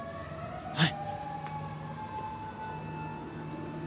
はい。